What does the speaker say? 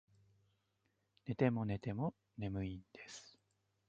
寝ても寝ても眠いんです